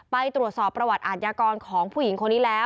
ไปตรวจสอบประวัติอ่านยากรของผู้หญิง